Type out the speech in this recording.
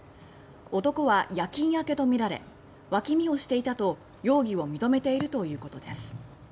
男は夜勤明けとみられ「脇見をしていた」と容疑を認めているということです。